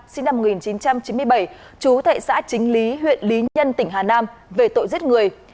sinh năm một nghìn chín trăm chín mươi bảy chú thệ xã chính lý huyện lý nhân tỉnh hà nam về tội giết người